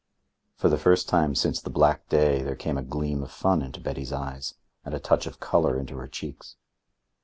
For the first time since the black day there came a gleam of fun into Betty's eyes and a touch of colour into her cheeks.